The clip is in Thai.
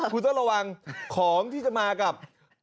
คุณต้องระวังของที่จะมากับ